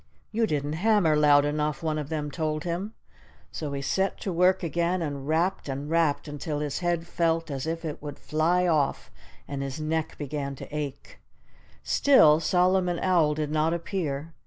"You didn't hammer loud enough," one of them told him. So he set to work again and rapped and rapped until his head felt as if it would fly off, and his neck began to ache. Still, Solomon Owl did not appear.